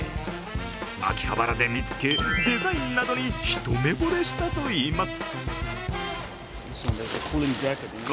秋葉原で見つけ、デザインなどにひとめぼれしたといいます。